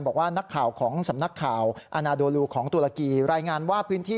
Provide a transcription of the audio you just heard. บอกว่านักข่าวของสำนักข่าว